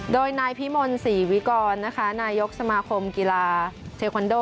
โดยนายพิมลศรีวิกรนะคะนายกสมาคมกีฬาเทคอนโด